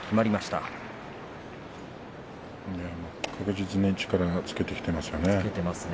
確実に力をつけてきていますね。